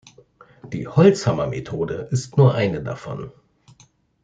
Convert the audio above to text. Die Holzhammermethode ist nur eine davon.